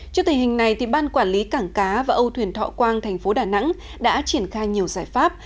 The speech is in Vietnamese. trước tình hình này ban quản lý cảng cá và âu thuyền thọ quang thành phố đà nẵng đã triển khai nhiều giải pháp